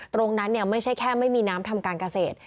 ไม่ใช่แค่ไม่มีน้ำทำการเกษตร